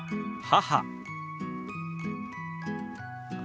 母。